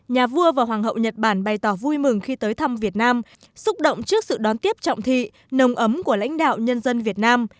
nhà vua và hoàng hậu nhật bản bày tỏ vui mừng khi tới thăm việt nam xúc động trước sự đón tiếp trọng thị nồng ấm của lãnh đạo nhân dân việt nam